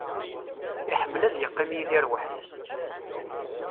Iḥemmel ad yeqqim Yidir weḥd-s.